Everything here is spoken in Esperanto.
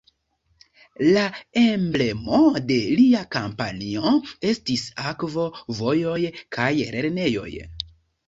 La emblemo de lia kampanjo estis: "akvo, vojoj kaj lernejoj".